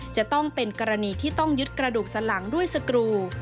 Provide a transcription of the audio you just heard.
จะต้องเป็นกรณีที่ต้องยึดกระดูกสลังด้วยสกรู